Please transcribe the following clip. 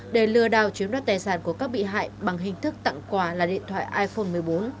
để lừa đảo chiếm đoạt tài sản của các bị hại bằng hình thức tặng quà là điện thoại iphone một mươi bốn